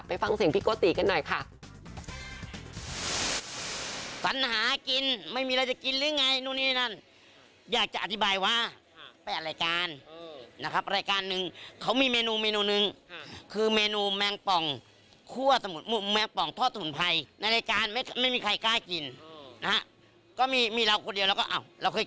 ฟังเสียงพี่โกติกันหน่อยค่ะ